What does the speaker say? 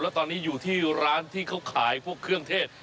แล้วตอนนี้อยู่ที่ร้านที่เขาขายพวกเครื่องเทศ